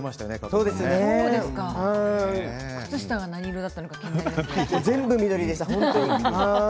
靴下が何色だったのか全部、緑でした。